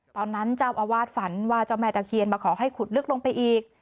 ตอนนั้นเจ้าอาวาสฝันว่าเจ้าแม่ตะเคียนมาขอให้ขุดลึกลงไปอีก